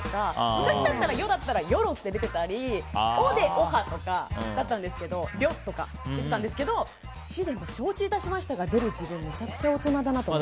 昔だったら「よ」だったらよろとか出てたり「お」で「おは」とかだったんですけど「りょ」とか出てたんですけど「し」でも承知しましたが出る時点でめちゃくちゃ大人だなって。